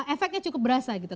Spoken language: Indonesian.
efeknya cukup berasa gitu